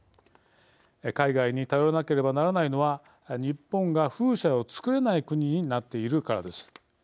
海外に頼らなければならないのは日本が風車を作れない国になっているからです。